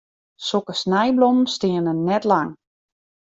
Sokke snijblommen steane net lang.